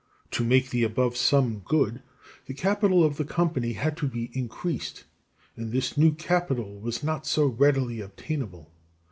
_ To make the above sum good, the capital of the company had to be increased, and this new capital was not so readily obtainable.